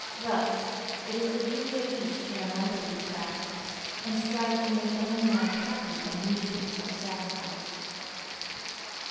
Thus it is the duty of each to remember these facts, and strive to make the home life happy by mutual self sacrifice.